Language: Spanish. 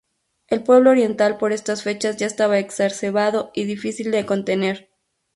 El pueblo oriental por estas fechas, ya estaba exacerbado y difícil de contener.